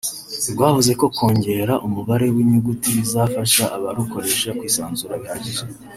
rwavuze ko kongera umubare w’inyuguti bizafasha abarukoresha kwisanzura bihagije